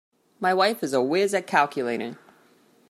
My wife is a whiz at calculating